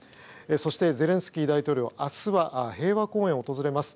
そして、ゼレンスキー大統領は明日は、平和公園を訪れます。